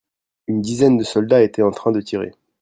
Une dizaine de soldats étaient en train de tirer.